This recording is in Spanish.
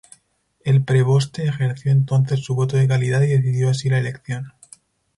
El preboste ejerció entonces su voto de calidad y decidió así la elección.